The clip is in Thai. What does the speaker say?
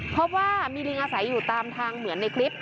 เพราะว่ามีลิงอาศัยอยู่ตามทางเหมือนในคลิป